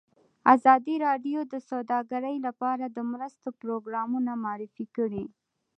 ازادي راډیو د سوداګري لپاره د مرستو پروګرامونه معرفي کړي.